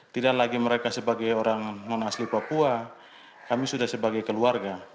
tidak lagi mereka sebagai orang non asli papua kami sudah sebagai keluarga